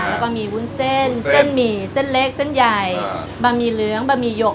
แล้วก็มีวุ้นเส้นเส้นหมี่เส้นเล็กเส้นใหญ่บะหมี่เหลืองบะหมี่หยก